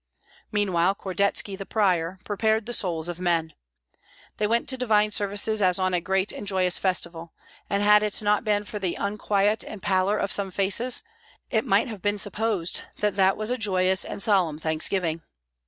Meanwhile Kordetski, the prior, prepared the souls of men. They went to divine services as on a great and joyous festival; and had it not been for the unquiet and pallor of some faces, it might have been supposed that that was a joyous and solemn thanksgiving.